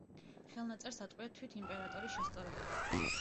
ხელნაწერს ატყვია თვით იმპერატორის შესწორებები.